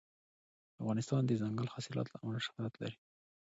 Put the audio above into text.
افغانستان د دځنګل حاصلات له امله شهرت لري.